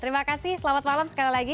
terima kasih selamat malam sekali lagi